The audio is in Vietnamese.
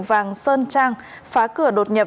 vàng sơn trang phá cửa đột nhập